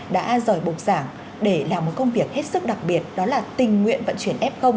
đã giỏi bục giảng để làm một công việc hết sức đặc biệt đó là tình nguyện vận chuyển f